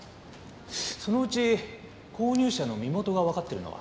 そのうち購入者の身元がわかっているのは？